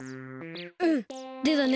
うんでたね。